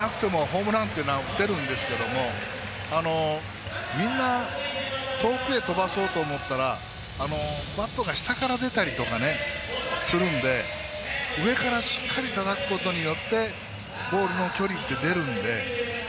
体は大きくなくてもホームランっていうのは打てるんですけどもみんな遠くへ飛ばそうと思ったらバットが下から出たりとかするので上からしっかりたたくことによってボールの距離って出るので。